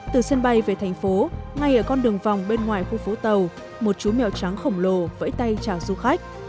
từ sân bay về thành phố ngay ở con đường vòng bên ngoài khu phố tàu một chú mèo trắng khổng lồ vẫy tay chào du khách